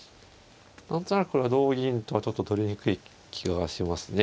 何となくこれは同銀とはちょっと取りにくい気はしますね。